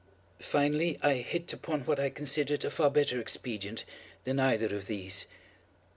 Finally I hit upon what I considered a far better expedient than either of these.